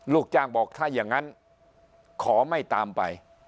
ลูกจ้างบอกถ้าอย่างนั้นขอไม่ตามไป